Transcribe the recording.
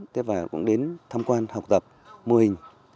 thế và cũng đến tham quan học tập mô hình